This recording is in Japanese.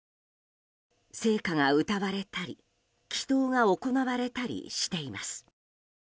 聖歌が歌われたり祈祷が行われたりしています。